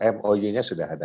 mou nya sudah ada